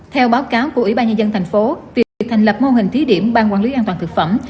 theo báo cáo của ủy ban nhân dân tp hcm việc thành lập mô hình thí điểm ban quản lý an toàn được phẩm